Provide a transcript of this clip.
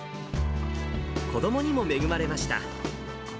子どもにも恵まれました。